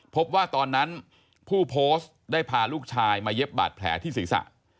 พบว่าตอนนั้นผู้โพสต์ได้พาลูกชายมาเย็บบาดแผลที่ศีรษะ